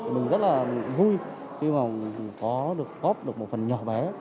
mình rất là vui khi mà có được góp được một phần nhỏ bé